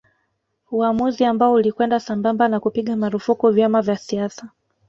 Uamuzi ambao ulikwenda sambamba na kupiga marufuku vyama vya siasa